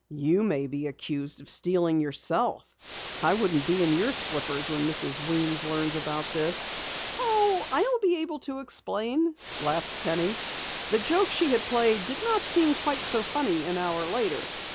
"You may be accused of stealing yourself. I wouldn't be in your slippers when Mrs. Weems learns about this." "Oh, I'll be able to explain," laughed Penny. The joke she had played did not seem quite so funny an hour later.